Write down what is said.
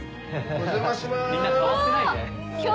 お邪魔します。